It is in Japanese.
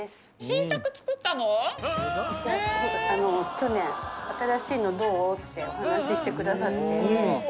去年新しいのどう？ってお話ししてくださって。